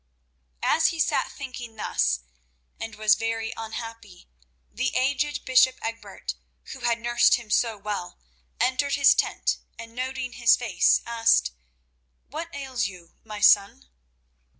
As he sat thinking thus, and was very unhappy, the aged bishop Egbert, who had nursed him so well, entered his tent, and, noting his face, asked: "What ails you, my son?"